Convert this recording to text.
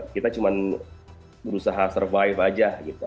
kita cuma berusaha survive aja gitu